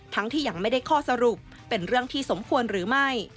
ที่ยังไม่ได้ข้อสรุปเป็นเรื่องที่สมควรหรือไม่